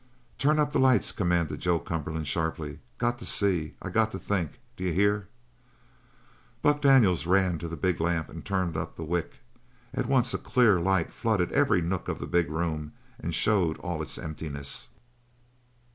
"Turn up the lights," commanded Joe Cumberland sharply. "Got to see; I got to think. D'you hear?" Buck Daniels ran to the big lamp and turned up the wick. At once a clear light flooded every nook of the big room and showed all its emptiness.